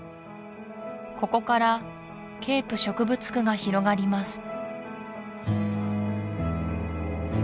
ここからケープ植物区が広がります